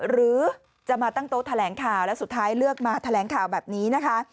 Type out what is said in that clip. หรือจะมาตั้งโต๊ะแถลงข่าวแล้วสุดท้ายเลือกมาแถลงข่าวแบบนี้นะคะ